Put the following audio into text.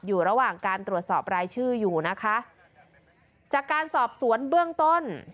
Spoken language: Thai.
อยู่ระหว่างการตรวจสอบรายชื่ออยู่นะคะจากการสอบสวนเบื้องต้น